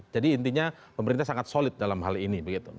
jadi intinya pemerintah sangat solid dalam hal ini